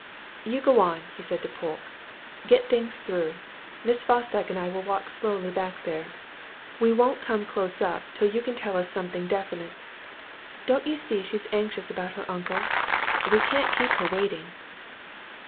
"You go on," he said to Polke. "Get things through Miss Fosdyke and I will walk slowly back there. We won't come close up till you can tell us something definite. Don't you see she's anxious about her uncle? we can't keep her waiting."